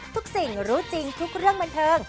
ทุกสิ่งรู้จริงทุกเรื่องบันเทิง